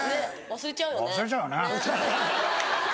忘れちゃうよね。